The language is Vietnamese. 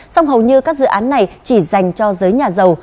song hầu như các dự án này chỉ dành cho giới nhà giàu